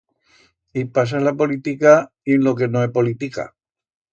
Y pasa en la politica, y en lo que no é politica.